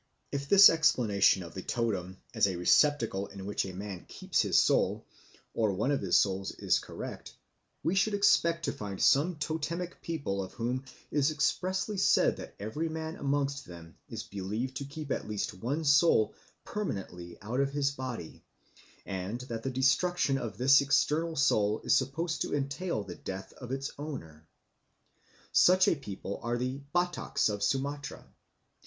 If this explanation of the totem as a receptacle in which a man keeps his soul or one of his souls is correct, we should expect to find some totemic people of whom it is expressly said that every man amongst them is believed to keep at least one soul permanently out of his body, and that the destruction of this external soul is supposed to entail the death of its owner. Such a people are the Bataks of Sumatra.